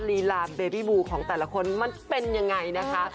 ลีลาเบบี้บูของแต่ละคนมันเป็นยังไงนะคะ